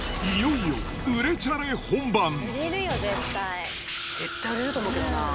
いよいよ売れチャレ本番。